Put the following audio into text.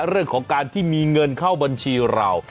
เรื่องของการที่มีเงินเข้าบัญชีเรา